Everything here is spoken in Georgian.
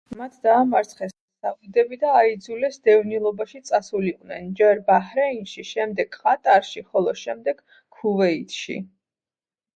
მათ დაამარცხეს საუდები და აიძულეს დევნილობაში წასულიყვნენ, ჯერ ბაჰრეინში, შემდეგ ყატარში, ხოლო შემდეგ ქუვეითში.